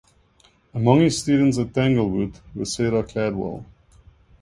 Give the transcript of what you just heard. Among his students at Tanglewood were Sarah Caldwell.